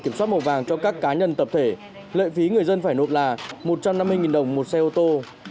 kiểm soát màu vàng cho các cá nhân tập thể lệ phí người dân phải nộp là một trăm năm mươi đồng một xe ô tô